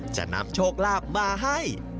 จะนำโชคลาภมาให้